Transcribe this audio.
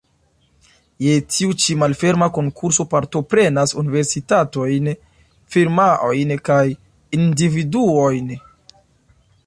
Je tiu ĉi malferma konkurso partoprenas universitatojn, firmaojn kaj individuojn.